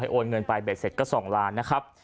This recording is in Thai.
โอนเงินไปเบ็ดเสร็จก็๒ล้านนะครับ